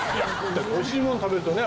美味しいもの食べるとね。